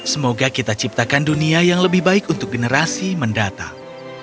semoga kita ciptakan dunia yang lebih baik untuk generasi mendatang